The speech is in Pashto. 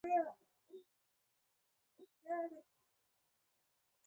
روښانه راتلوونکې لرئ